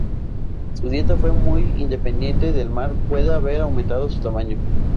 Su dieta que fue muy dependiente del mar puede haber aumentado su tamaño.